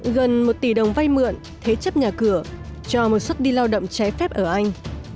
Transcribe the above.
gần một tỷ đồng vay mượn thế chấp nhà cửa cho một xuất đi lao động trái phép ở anh